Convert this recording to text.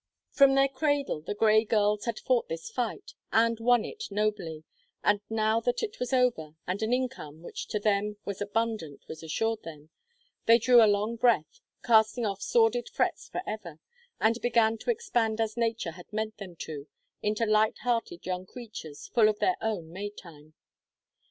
From their cradle the Grey girls had fought this fight, and won in it nobly, but now that it was over, and an income which to them was abundant was assured them, they drew a long breath, casting off sordid frets forever, and began to expand as nature had meant them to, into light hearted young creatures, full of their own May time.